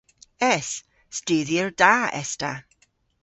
Es. Studhyer da es ta.